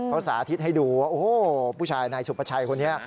เขาสาธิตให้ดูว่าโอ้โหผู้ชายนายสุประชัยคนนี้